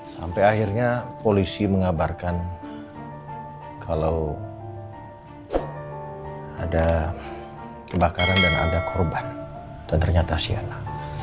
sampai akhirnya polisi mengabarkan kalau ada kebakaran dan ada korban dan ternyata siana